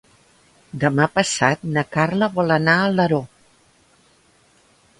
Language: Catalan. Demà passat na Carla vol anar a Alaró.